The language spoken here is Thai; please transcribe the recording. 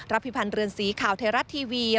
รับพิพันธ์เรือนสีข่าวเทราะท์ทีวี